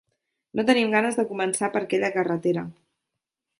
No tenim ganes de començar per aquella carretera.